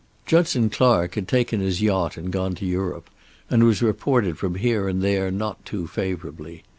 Judson Clark had taken his yacht and gone to Europe, and was reported from here and there not too favorably.